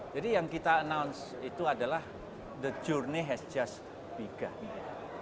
jadi yang kita announce itu adalah the journey has just begun